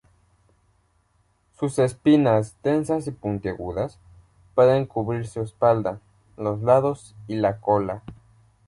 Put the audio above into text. Sus espinas, densas y puntiagudas, pueden cubrir su espalda, los lados y la cola.